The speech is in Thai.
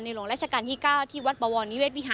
ในหลวงราชกาลที่๙ที่วัดปรุง